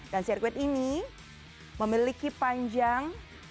dan sirkuit ini memiliki panjang